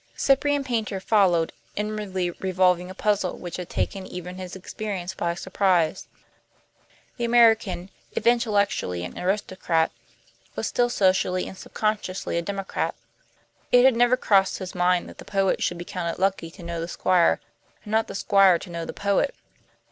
Cyprian Paynter followed, inwardly revolving a puzzle which had taken even his experience by surprise. The American, if intellectually an aristocrat, was still socially and subconsciously a democrat. It had never crossed his mind that the poet should be counted lucky to know the squire and not the squire to know the poet.